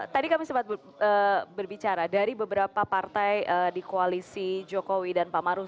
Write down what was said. tadi kami sempat berbicara dari beberapa partai di koalisi jokowi dan pak maruf